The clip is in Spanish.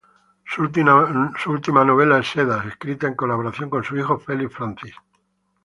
Su última novela es "Sedas", escrita en colaboración con su hijo Felix Francis.